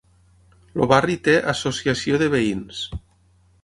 El barri té associació de veïns.